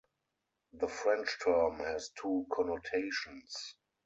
The French term has two connotations.